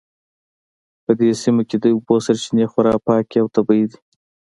په دې سیمه کې د اوبو سرچینې خورا پاکې او طبیعي دي